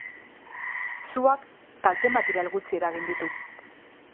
Suak kalte material gutxi eragin ditu.